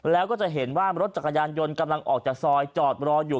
แล้วก็จะเห็นว่ารถจักรยานยนต์กำลังออกจากซอยจอดรออยู่